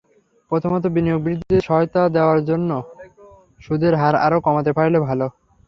প্রথমত, বিনিয়োগ বৃদ্ধিতে সহায়তা দেওয়ার জন্য সুদের হার আরও কমাতে পারলে ভালো।